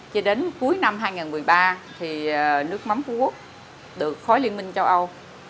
cho đến cuối năm hai nghìn một mươi ba thì nước mắm phú quốc được khối liên minh châu âu